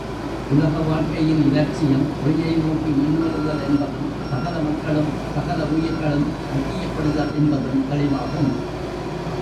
உலக வாழ்க்கையின் இலட்சியம் ஒளியை நோக்கி முன்னேறுதல் என்பதும், சகல மக்களும், சகல உயிர்களும் ஐக்கியப்படுதல் என்பதும் தெளிவாகும்.